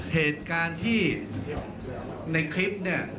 เหตุการณ์ที่ในคลิปเนี่ย